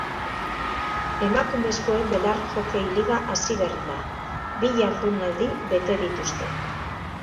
Emakumezkoen belar hokei liga hasi berria da, bi jardunaldi bete dituzte.